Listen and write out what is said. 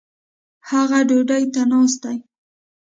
هغه ډوډي ته ناست دي